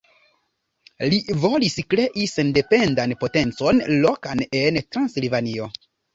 Li volis krei sendependan potencon lokan en Transilvanio.